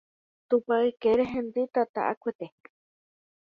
Tupa ykére hendy tata akuete